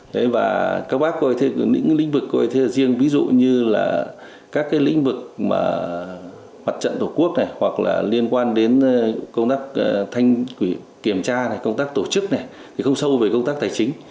đấy và các bác coi thế những lĩnh vực coi thế là riêng ví dụ như là các cái lĩnh vực mà mặt trận tổ quốc này hoặc là liên quan đến công tác thanh kiểm tra này công tác tổ chức này thì không sâu về công tác tài chính